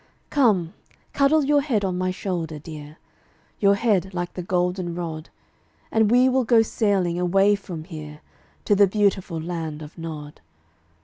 Come, cuddle your head on my shoulder, dear, Your head like the golden rod, And we will go sailing away from here To the beautiful Land of Nod.